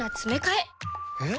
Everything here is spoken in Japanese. えっ？